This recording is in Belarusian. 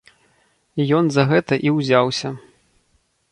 Ён за гэта і ўзяўся.